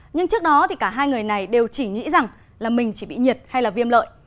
nhưng trước đó thì cả hai người này đều chỉ nghĩ rằng là mình chỉ bị nhiệt hay là viêm lợi